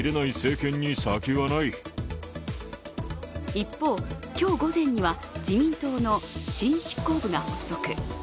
一方、今日午前には自民党の新執行部が発足。